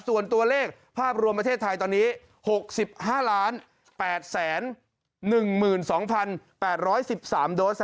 ส่วนตัวเลขภาพรวมประเทศไทยตอนนี้๖๕๘๑๒๘๑๓โดส